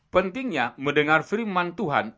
pentingnya mendengar firman tuhan